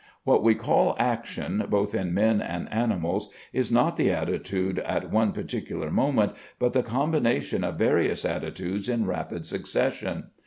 What we call action, both in men and animals, is not the attitude at one particular moment, but the combination of various attitudes in rapid succession.